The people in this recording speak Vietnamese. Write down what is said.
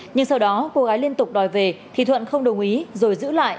nhưng sau đó cô gái liên tục đòi về thì thuận không đồng ý rồi giữ lại